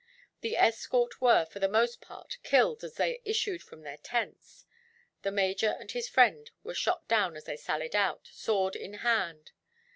The escort were, for the most part, killed as they issued from their tents. The major and his friend were shot down as they sallied out, sword in hand.